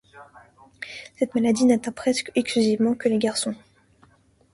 Cette maladie n'atteint presque exclusivement que les garçons.